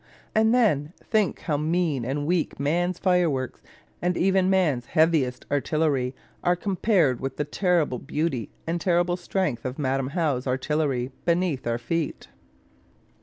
And then think how mean and weak man's fireworks, and even man's heaviest artillery, are compared with the terrible beauty and terrible strength of Madam How's artillery underneath our feet.